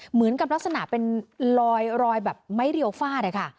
เหมือนกับลักษณะเป็นลอยแบบไม้เรียวฟาดอะค่ะ